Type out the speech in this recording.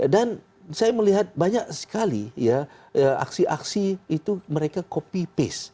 dan saya melihat banyak sekali aksi aksi itu mereka copy paste